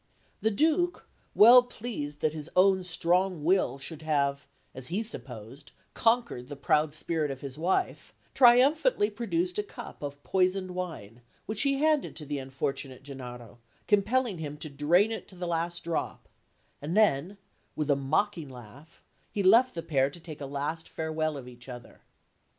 The Duke, well pleased that his own strong will should have, as he supposed, conquered the proud spirit of his wife, triumphantly produced a cup of poisoned wine, which he handed to the unfortunate Gennaro, compelling him to drain it to the last drop; and then, with a mocking laugh, he left the pair to take a last farewell of each other.